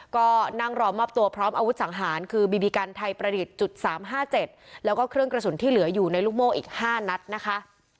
ก็นั่งรอมอบตัวพร้อมอาวุธสังหารคือบีบีกันไทยประดิษฐ์จุด๓๕๗แล้วก็เครื่องกระสุนที่เหลืออยู่ในลูกโม่อีก๕นัดนะคะ